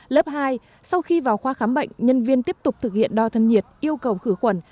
lớp hai sau khi vào khoa khám bệnh nhân viên tiếp tục thực hiện đo thân nhiệt yêu cầu khử khuẩn